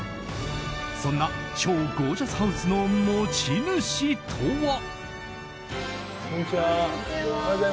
そんな超ゴージャスハウスの持ち主とは。